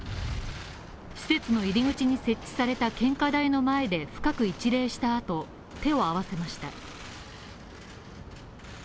施設の入り口に設置された献花台の前で深く一礼した後、手を合わせました。